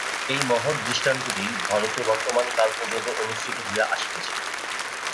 এই মহৎ দৃষ্টান্তটি ভারতে বর্তমান কাল পর্যন্ত অনুসৃত হইয়া আসিতেছে।